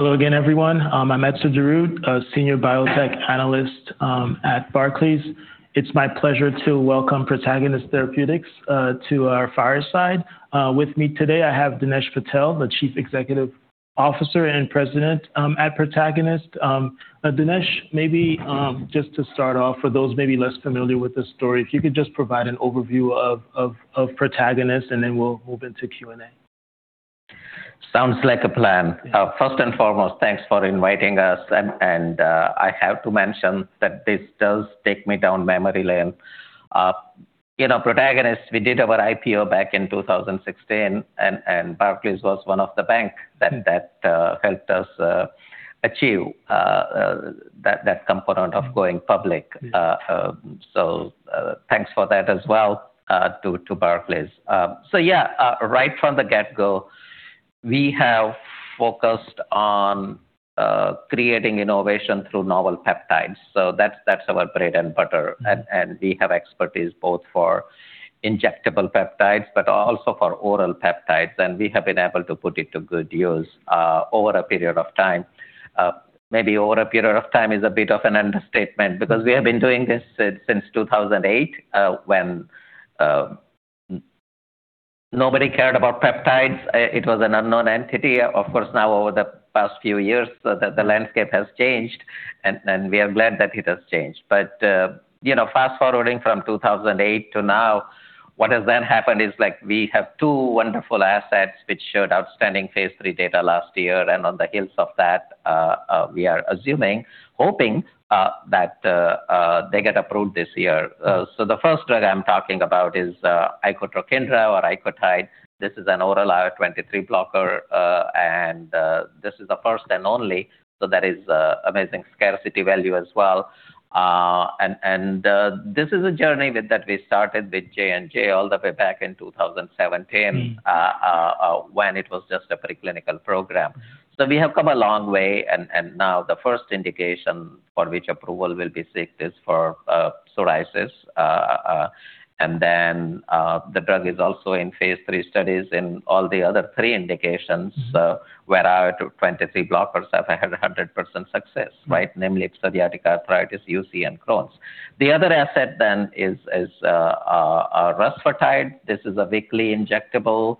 Hello again, everyone. I'm Etzer Darout, a senior biotech analyst at Barclays. It's my pleasure to welcome Protagonist Therapeutics to our fireside. With me today, I have Dinesh Patel, the Chief Executive Officer and President at Protagonist. Dinesh, maybe just to start off, for those maybe less familiar with the story, if you could just provide an overview of Protagonist, and then we'll move into Q&A. Sounds like a plan. Yeah. First and foremost, thanks for inviting us. I have to mention that this does take me down memory lane. You know, Protagonist, we did our IPO back in 2016, and Barclays was one of the bank that helped us achieve that component of going public. Thanks for that as well to Barclays. Right from the get-go, we have focused on creating innovation through novel peptides. That's our bread and butter. We have expertise both for injectable peptides, but also for oral peptides. We have been able to put it to good use over a period of time. Maybe over a period of time is a bit of an understatement because we have been doing this since 2008, when nobody cared about peptides. It was an unknown entity. Of course, now over the past few years, the landscape has changed, and we are glad that it has changed. You know, fast-forwarding from 2008 to now, what has then happened is, like, we have two wonderful assets which showed outstanding phase III data last year. On the heels of that, we are assuming, hoping that they get approved this year. The first drug I'm talking about is icotrokinra. This is an oral IL-23 blocker, and this is the first and only, so there is amazing scarcity value as well. And this is a journey with J&J that we started all the way back in 2017. When it was just a preclinical program. We have come a long way and now the first indication for which approval we'll be seeking is for psoriasis. The drug is also in phase III studies in all the other three indications. Where IL-23 blockers have had 100% success, right? Namely psoriatic arthritis, UC, and Crohn's. The other asset is rusfertide. This is a weekly injectable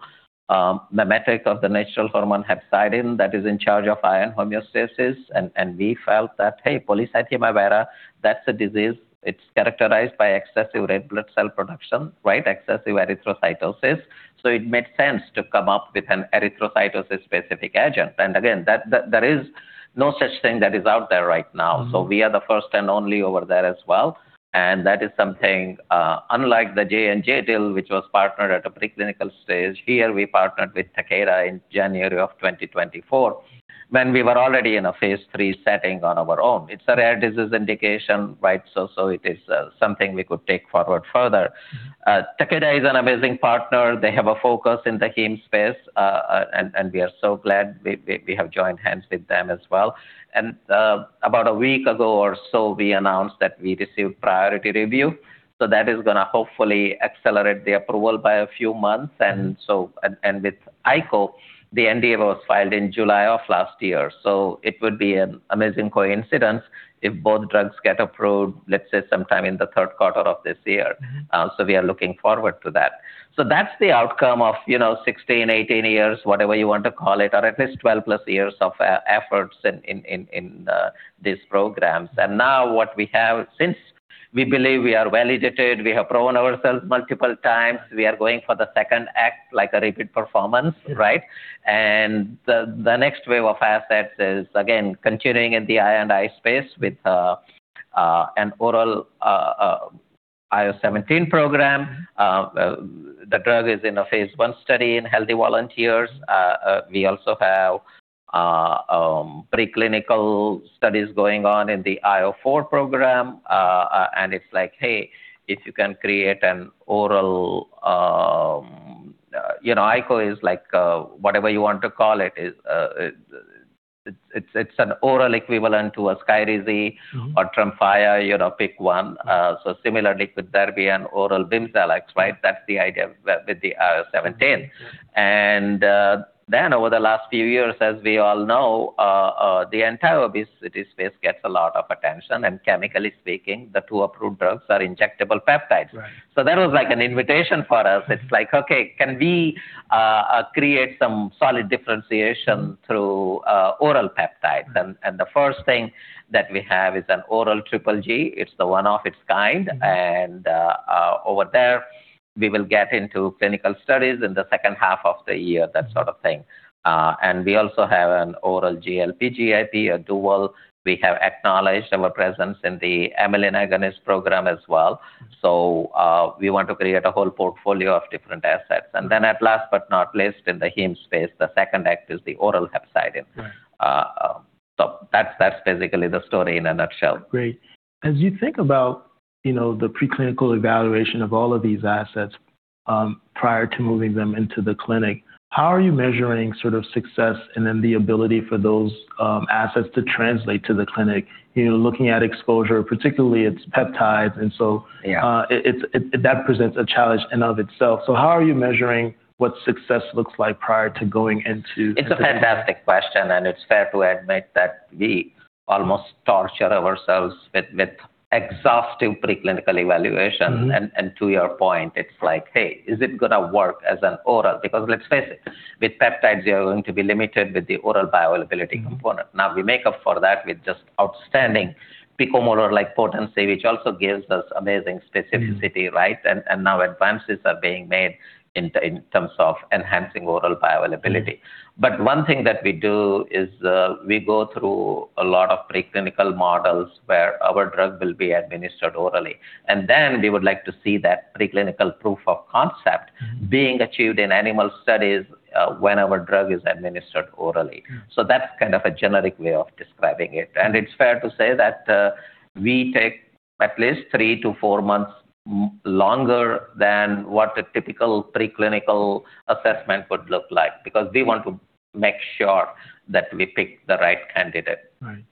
mimetic of the natural hormone hepcidin that is in charge of iron homeostasis. We felt that, hey, polycythemia vera, that's a disease, it's characterized by excessive red blood cell production, right? Excessive erythrocytosis. It made sense to come up with an erythrocytosis-specific agent. Again, there is no such thing that is out there right now. We are the first and only over there as well. That is something unlike the J&J deal, which was partnered at a preclinical stage. Here, we partnered with Takeda in January 2024 when we were already in a phase III setting on our own. It's a rare disease indication, right? It is something we could take forward further. Takeda is an amazing partner. They have a focus in the heme space and we are so glad we have joined hands with them as well. About a week ago or so, we announced that we received priority review, so that is gonna hopefully accelerate the approval by a few months. With icotrokinra, the NDA was filed in July of last year, so it would be an amazing coincidence if both drugs get approved, let's say sometime in the third quarter of this year. We are looking forward to that. That's the outcome of, you know, 16, 18 years, whatever you want to call it, or at least 12+ years of efforts in these programs. Now what we have. Since we believe we are validated, we have proven ourselves multiple times, we are going for the second act like a repeat performance. Right? The next wave of assets is again continuing in the I&I space with an oral IL-17 program. We also have preclinical studies going on in the IL-4 program. It's like, hey, if you can create an oral, you know, IL-23 is like whatever you want to call it. It's an oral equivalent to a Skyrizi.... or TREMFYA, you know, pick one. Similarly with [Derby] and oral BIMZELX, right? That's the idea with the IL-17. Over the last few years, as we all know, the entire obesity space gets a lot of attention. Chemically speaking, the two approved drugs are injectable peptides. Right. that was like an invitation for us. It's like, okay, can we create some solid differentiation through oral peptides? The first thing that we have is an oral triple-G. It's the one of its kind. over there, we will get into clinical studies in the second half of the year, that sort of thing. We also have an oral GLP/GIP, a dual. We have acknowledged our presence in the Amylin agonist program as well. We want to create a whole portfolio of different assets. At last but not least, in the heme space, the second act is the oral hepcidin. Right. That's basically the story in a nutshell. Great. As you think about, you know, the preclinical evaluation of all of these assets, prior to moving them into the clinic, how are you measuring sort of success and then the ability for those, assets to translate to the clinic? You know, looking at exposure, particularly it's peptides, and so- Yeah. That presents a challenge in and of itself. How are you measuring what success looks like prior to going into. It's a fantastic question, and it's fair to admit that we almost torture ourselves with exhaustive preclinical evaluation. To your point, it's like, hey, is it gonna work as an oral? Because let's face it, with peptides, you're going to be limited with the oral bioavailability component. Now, we make up for that with just outstanding picomolar-like potency, which also gives us amazing specificity, right? Now advances are being made in terms of enhancing oral bioavailability. One thing that we do is, we go through a lot of preclinical models where our drug will be administered orally. We would like to see that preclinical proof of concept being achieved in animal studies, when our drug is administered orally. That's kind of a generic way of describing it. It's fair to say that we take at least 3-4 months longer than what a typical preclinical assessment would look like, because we want to make sure that we pick the right candidate. Right.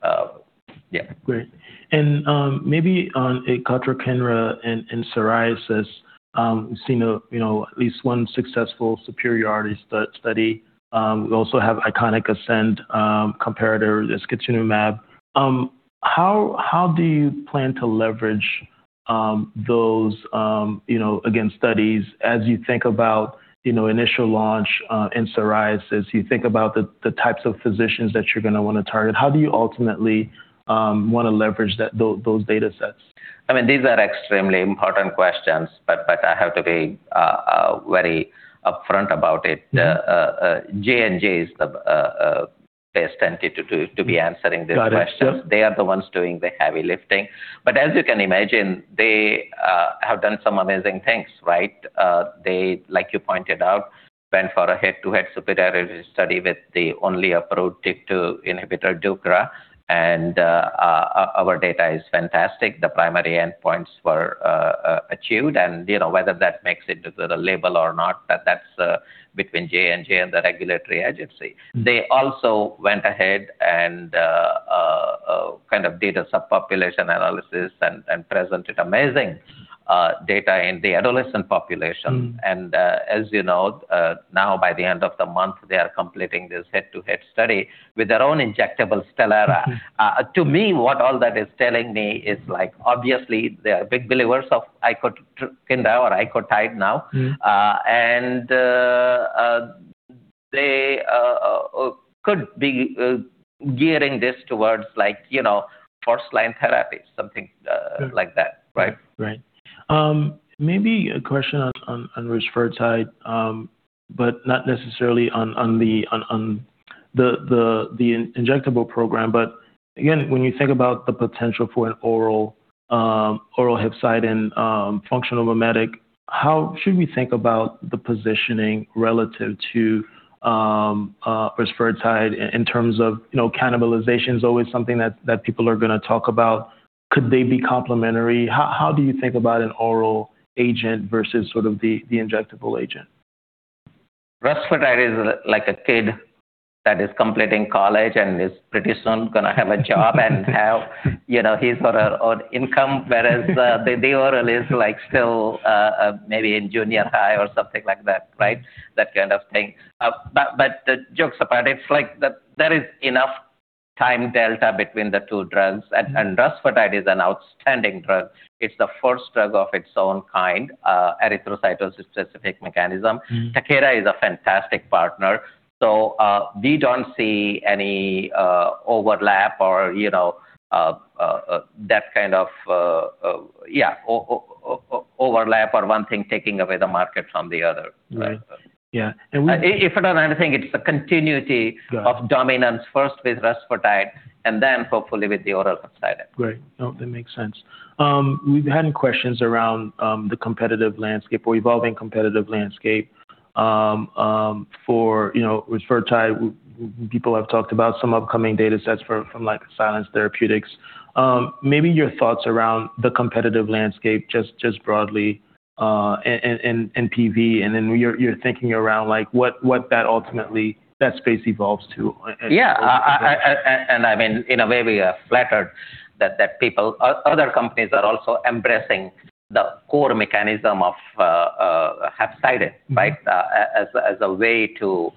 Yeah. Great. Maybe on icotrokinra in psoriasis, we've seen, you know, at least one successful superiority study. We also have ICONIC-ASCEND comparator, the secukinumab. How do you plan to leverage those, you know, again, studies as you think about, you know, initial launch in psoriasis? You think about the types of physicians that you're gonna wanna target. How do you ultimately wanna leverage those data sets? I mean, these are extremely important questions, but I have to be very upfront about it. Yeah. J&J is the best entity to be answering these questions. Got it. Sure. They are the ones doing the heavy lifting. As you can imagine, they have done some amazing things, right? They, like you pointed out, went for a head-to-head superiority study with the only approved TYK2 inhibitor, Sotyktu, and our data is fantastic. The primary endpoints were achieved, and you know, whether that makes it to the label or not, that's between J&J and the regulatory agency. They also went ahead and kind of did a subpopulation analysis and presented amazing data in the adolescent population. As you know, now by the end of the month, they are completing this head-to-head study with their own injectable, Stelara. To me, what all that is telling me is, like, obviously, they are big believers of icotrokinra now. They could be gearing this towards like, you know, first-line therapy, something like that, right? Maybe a question on rusfertide, but not necessarily on the injectable program. Again, when you think about the potential for an oral hepcidin functional mimetic, how should we think about the positioning relative to rusfertide in terms of, you know, cannibalization is always something that people are gonna talk about. Could they be complementary? How do you think about an oral agent versus sort of the injectable agent? Rusfertide is like a kid that is completing college and is pretty soon gonna have a job and have, you know, his or her own income, whereas the oral is like still maybe in junior high or something like that, right? That kind of thing. Jokes apart, it's like there is enough time delta between the two drugs. rusfertide is an outstanding drug. It's the first drug of its own kind, erythrocyte-specific mechanism. Takeda is a fantastic partner. We don't see any overlap or, you know, that kind of yeah overlap or one thing taking away the market from the other. Right. Yeah. If at all anything, it's a continuity.... of dominance first with rusfertide and then hopefully with the oral hepcidin. Great. No, that makes sense. We've had questions around the competitive landscape or evolving competitive landscape for, you know, rusfertide. People have talked about some upcoming data sets for, from like Silence Therapeutics. Maybe your thoughts around the competitive landscape just broadly and PV, and then your thinking around like what that ultimately that space evolves to. Yeah. I mean, in a way, we are flattered that people, other companies are also embracing the core mechanism of hepcidin, right? as a way to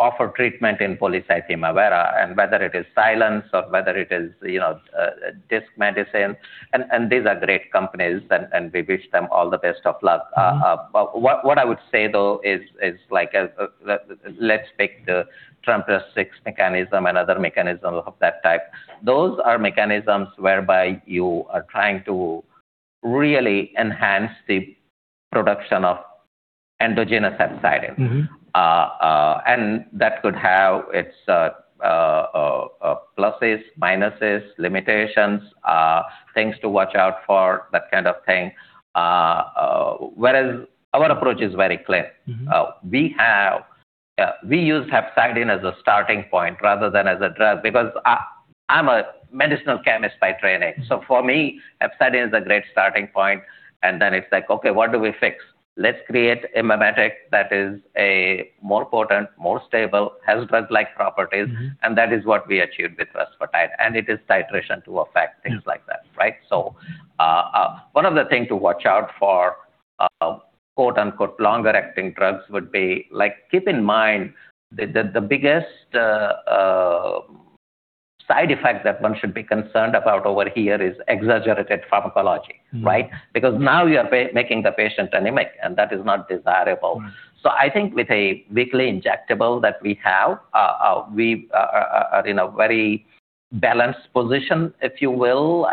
offer treatment in polycythemia vera, and whether it is Silence or whether it is, you know, Disc Medicine. These are great companies and we wish them all the best of luck. What I would say, though, is like, let's take the TMPRSS3 mechanism and other mechanisms of that type. Those are mechanisms whereby you are trying to really enhance the production of endogenous hepcidin. That could have its pluses, minuses, limitations, things to watch out for, that kind of thing. Whereas our approach is very clear. Yeah, we use hepcidin as a starting point rather than as a drug, because I'm a medicinal chemist by training. For me, hepcidin is a great starting point, and then it's like, okay, what do we fix? Let's create a mimetic that is a more potent, more stable, has drug-like properties. That is what we achieved with rusfertide, and it is titration to effect, things like that, right? One of the things to watch out for, quote unquote, "longer acting drugs" would be like, keep in mind the biggest side effect that one should be concerned about over here is exaggerated pharmacology. Right? Because now you are making the patient anemic, and that is not desirable. I think with a weekly injectable that we have, we are in a very balanced position, if you will.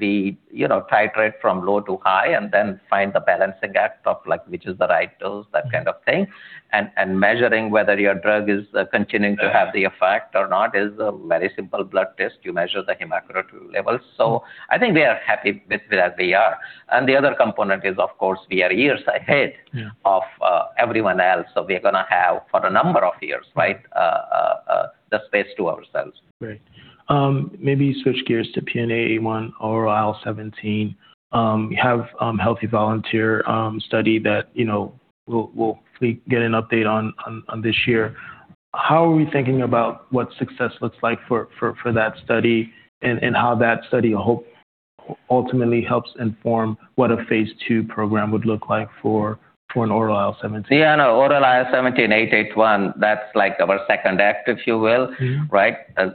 We, you know, titrate from low to high and then find the balancing act of like, which is the right dose, that kind of thing. Measuring whether your drug is continuing to have the effect or not is a very simple blood test. You measure the hematocrit levels. I think we are happy with where we are. The other component is, of course, we are years ahead. of everyone else, so we are gonna have, for a number of years, right, the space to ourselves. Right. Maybe switch gears to PN-881 or IL-17. You have a healthy volunteer study that, you know, we'll get an update on this year. How are we thinking about what success looks like for that study and how that study ultimately helps inform what a phase II program would look like for an oral IL-17? Yeah, no. Oral IL-17, PN-881, that's like our second act, if you will. Right? As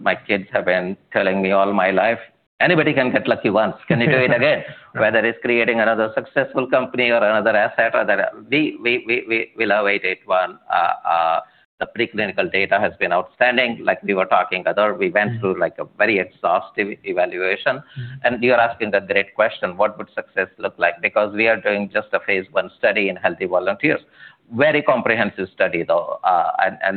my kids have been telling me all my life, "Anybody can get lucky once. Can you do it again?" Whether it's creating another successful company or another asset or that. We love PN-881. The preclinical data has been outstanding. Like we were talking earlier. We went through like a very exhaustive evaluation. You are asking the great question, what would success look like? Because we are doing just a phase I study in healthy volunteers. Very comprehensive study, though.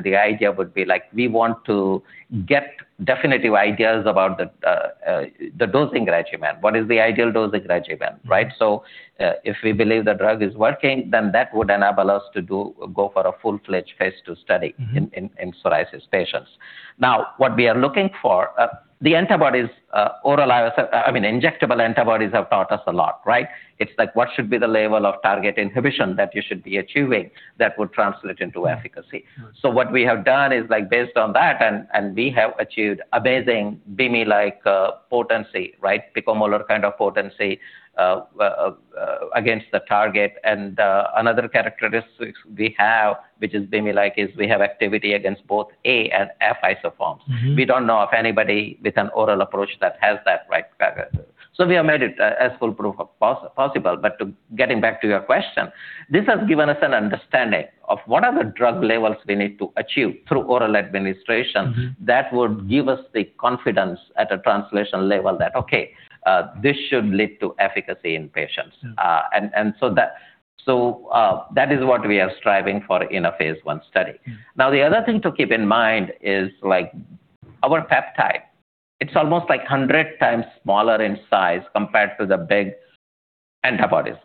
The idea would be like, we want to get definitive ideas about the dosing regimen. What is the ideal dosing regimen, right? If we believe the drug is working, then that would enable us to go for a full-fledged phase II study. in psoriasis patients. Now, what we are looking for, the antibodies, I mean, injectable antibodies have taught us a lot, right? It's like what should be the level of target inhibition that you should be achieving that would translate into efficacy. What we have done is, based on that, we have achieved amazing bimekizumab-like potency, right? Picomolar kind of potency against the target. Another characteristics we have, which is bimekizumab-like, is we have activity against both A and F isoforms. We don't know of anybody with an oral approach that has that right, so we have made it as foolproof as possible. Getting back to your question, this has given us an understanding of what are the drug levels we need to achieve through oral administration. that would give us the confidence at a translation level that, okay, this should lead to efficacy in patients. That is what we are striving for in a phase I study. Now, the other thing to keep in mind is like, our peptide, it's almost like 100 times smaller in size compared to the big antibodies.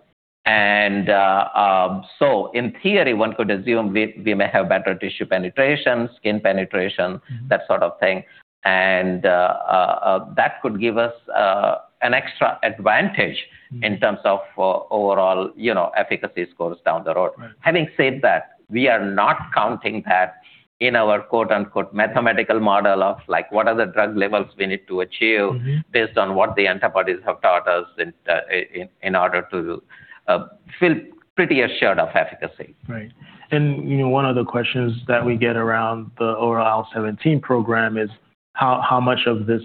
So in theory, one could assume we may have better tissue penetration, skin penetration. that sort of thing. That could give us an extra advantage. In terms of overall, you know, efficacy scores down the road. Having said that, we are not counting that in our quote unquote "mathematical model" of like what are the drug levels we need to achieve. based on what the antibodies have taught us in order to feel pretty assured of efficacy. Right. You know, one of the questions that we get around the oral IL-17 program is how much of this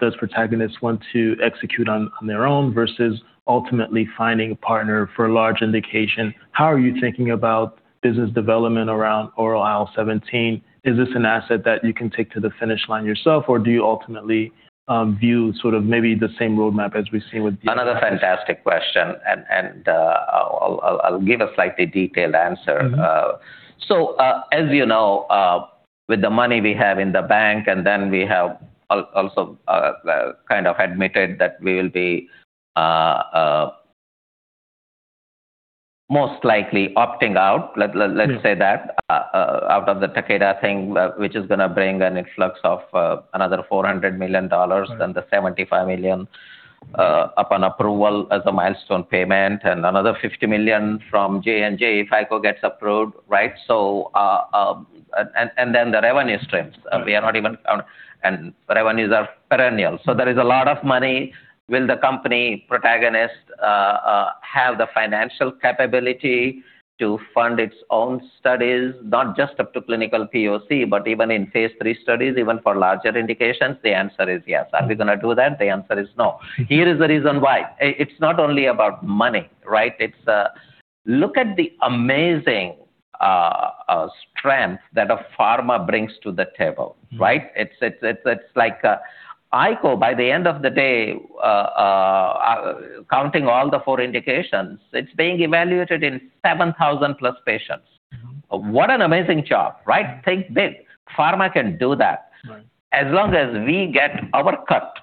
does Protagonist want to execute on their own versus ultimately finding a partner for large indication? How are you thinking about business development around oral IL-17? Is this an asset that you can take to the finish line yourself, or do you ultimately view sort of maybe the same roadmap as we've seen with. Another fantastic question. I'll give a slightly detailed answer. As you know, with the money we have in the bank, and then we have also kind of admitted that we will be most likely opting out, let's say that, out of the Takeda thing, which is gonna bring an influx of another $400 million. $75 million upon approval as a milestone payment, and another $50 million from J&J if icotrokinra gets approved, right? The revenue streams. Revenues are perennial. There is a lot of money. Will the company, Protagonist, have the financial capability to fund its own studies, not just up to clinical POC, but even in phase III studies, even for larger indications? The answer is yes. Are we gonna do that? The answer is no. Here is the reason why. It's not only about money, right? Look at the amazing strength that a pharma brings to the table, right? It's like icotrokinra, by the end of the day, counting all the four indications, it's being evaluated in 7,000+ patients. What an amazing job, right? Think big. Pharma can do that. As long as we get our cut,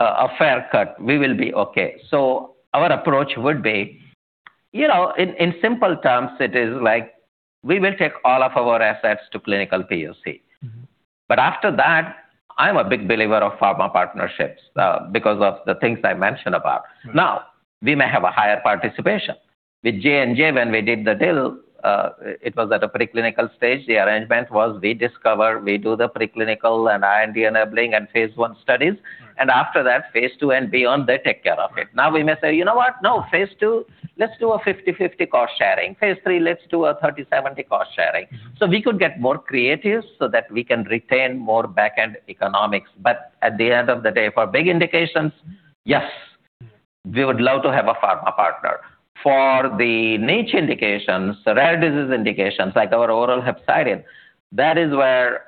a fair cut, we will be okay. Our approach would be, you know, in simple terms, it is like we will take all of our assets to clinical POC. After that, I'm a big believer of pharma partnerships because of the things I mentioned about. Now, we may have a higher participation. With J&J, when we did the deal, it was at a preclinical stage. The arrangement was we discover, we do the preclinical and IND-enabling and phase I studies. After that, phase II and beyond, they take care of it. Now we may say, "You know what? No, phase Ii, let's do a 50/50 cost sharing. Phase II, let's do a 30/70 cost sharing. We could get more creative so that we can retain more backend economics. At the end of the day, for big indications, yes. We would love to have a pharma partner. For the niche indications, rare disease indications, like our oral hepcidin, that is where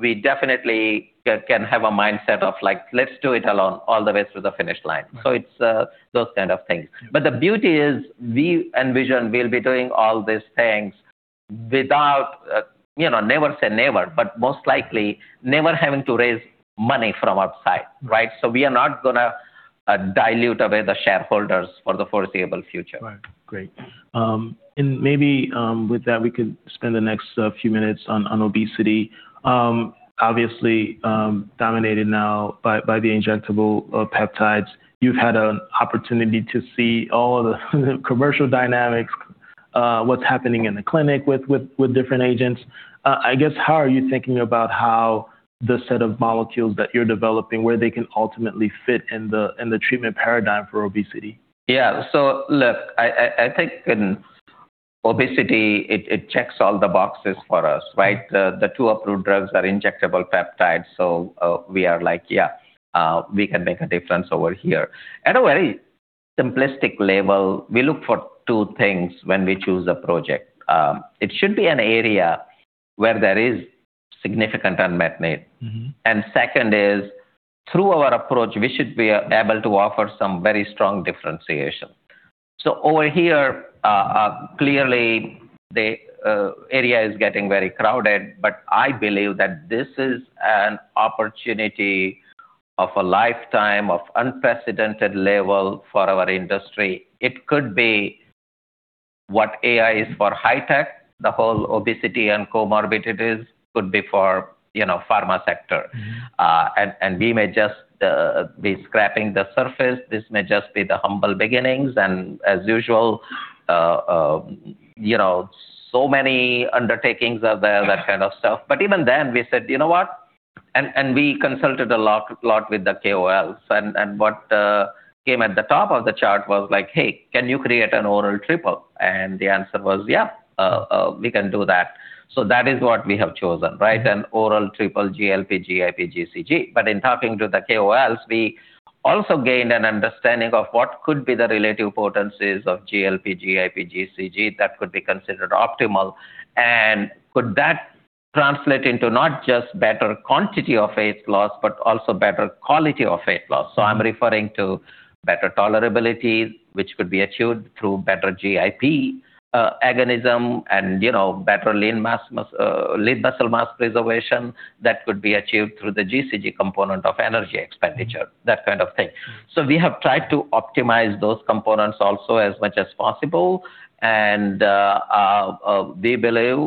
we definitely can have a mindset of, like, let's do it alone all the way to the finish line. It's those kind of things. The beauty is we envision we'll be doing all these things without, you know, never say never, but most likely never having to raise money from outside, right? We are not gonna dilute away the shareholders for the foreseeable future. Right. Great. Maybe, with that, we could spend the next few minutes on obesity. Obviously, dominated now by the injectable peptides. You've had an opportunity to see all of the commercial dynamics, what's happening in the clinic with different agents. I guess, how are you thinking about how the set of molecules that you're developing, where they can ultimately fit in the treatment paradigm for obesity? Yeah. Look, I think in obesity it checks all the boxes for us, right? The two approved drugs are injectable peptides, so we are like, "Yeah, we can make a difference over here." At a very simplistic level, we look for two things when we choose a project. It should be an area where there is significant unmet need. Second is, through our approach, we should be able to offer some very strong differentiation. Over here, clearly the area is getting very crowded, but I believe that this is an opportunity of a lifetime of unprecedented level for our industry. It could be what AI is for high-tech, the whole obesity and comorbidities could be for, you know, pharma sector. We may just be scraping the surface. This may just be the humble beginnings. As usual, you know, so many undertakings are there, that kind of stuff. Even then we said, "You know what?" We consulted a lot with the KOLs. What came at the top of the chart was like, "Hey, can you create an oral triple?" The answer was, "Yeah, we can do that." That is what we have chosen, right? An oral triple GLP-GIP-GCG. In talking to the KOLs, we also gained an understanding of what could be the relative potencies of GLP-GIP-GCG that could be considered optimal. Could that translate into not just better quantity of weight loss, but also better quality of weight loss? I'm referring to better tolerability, which could be achieved through better GIP agonism and, you know, better lean muscle mass preservation that could be achieved through the GCG component of energy expenditure, that kind of thing. We have tried to optimize those components also as much as possible. We believe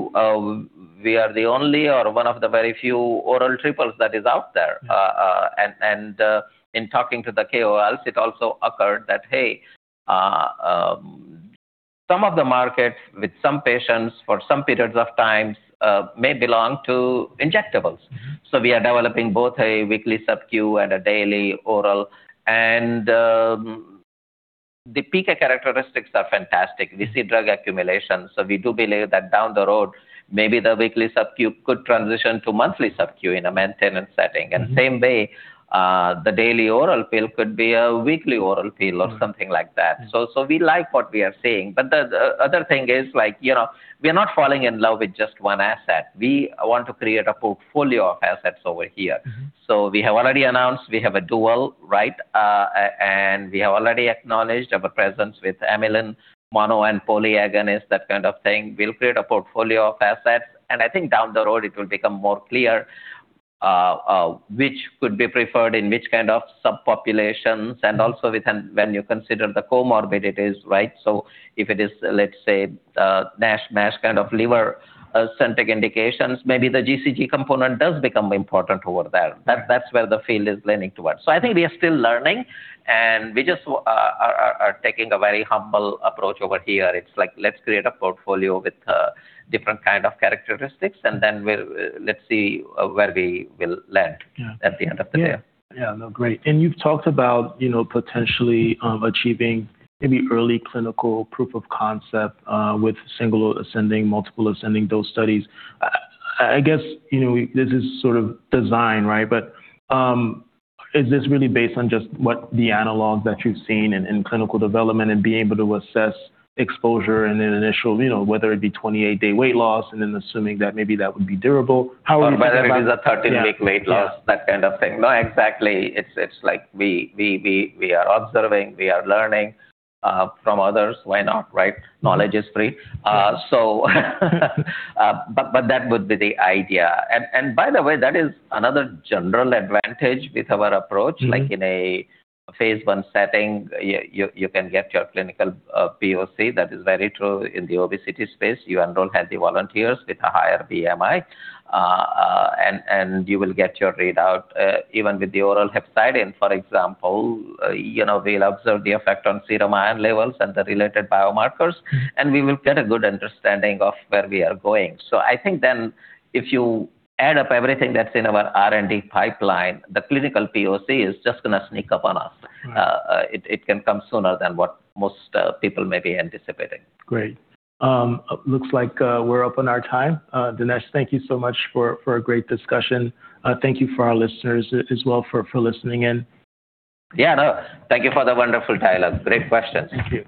we are the only or one of the very few oral triples that is out there. In talking to the KOLs, it also occurred that, hey, some of the markets with some patients for some periods of times may belong to injectables. We are developing both a weekly subQ and a daily oral. The PK characteristics are fantastic. We see drug accumulation. We do believe that down the road, maybe the weekly subQ could transition to monthly subQ in a maintenance setting. Same way, the daily oral pill could be a weekly oral pill or something like that. We like what we are seeing. The other thing is, like, you know, we are not falling in love with just one asset. We want to create a portfolio of assets over here. We have already announced we have a dual, right? And we have already acknowledged our presence with Amylin mono and polyagonist, that kind of thing. We'll create a portfolio of assets, and I think down the road it will become more clear which could be preferred in which kind of subpopulations and also within when you consider the comorbidities, right? If it is, let's say, NASH, MASH kind of liver centric indications, maybe the GCG component does become important over there. That's where the field is leaning towards. I think we are still learning, and we just are taking a very humble approach over here. It's like let's create a portfolio with different kind of characteristics, and then let's see where we will land. Yeah At the end of the day. Yeah. Yeah, no, great. You've talked about, you know, potentially, achieving maybe early clinical proof of concept, with single ascending, multiple ascending dose studies. I guess, you know, this is sort of design, right? Is this really based on just what the analogs that you've seen in clinical development and being able to assess exposure and then initial, you know, whether it be 28-day weight loss and then assuming that maybe that would be durable? How would you- whether it is a 13-week weight loss. Yeah. Yeah that kind of thing. No, exactly. It's like we are observing, we are learning from others. Why not, right? Knowledge is free. Yeah. that would be the idea. By the way, that is another general advantage with our approach. Like in a phase I setting, you can get your clinical POC. That is very true in the obesity space. You enroll healthy volunteers with a higher BMI, and you will get your readout, even with the oral hepcidin, for example. You know, we'll observe the effect on serum iron levels and the related biomarkers. We will get a good understanding of where we are going. I think then if you add up everything that's in our R&D pipeline, the clinical POC is just gonna sneak up on us. Right. It can come sooner than what most people may be anticipating. Great. Looks like, we're up on our time. Dinesh, thank you so much for a great discussion. Thank you for our listeners as well for listening in. Yeah. No, thank you for the wonderful dialogue. Great questions. Thank you.